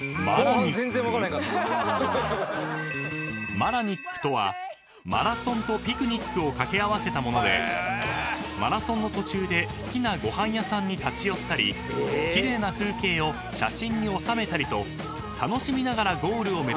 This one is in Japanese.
［マラニックとはマラソンとピクニックを掛け合わせたものでマラソンの途中で好きなご飯屋さんに立ち寄ったり奇麗な風景を写真に収めたりと楽しみながらゴールを目指す